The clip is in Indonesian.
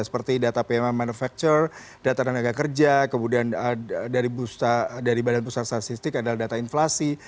seperti data pma manufacture data tenaga kerja kemudian dari badan pusat statistik adalah data inflasi